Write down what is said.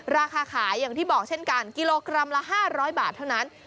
ราคาขายอย่างที่บอกเช่นกันกิโลกรัมละ๕๐๐บาทเท่านั้น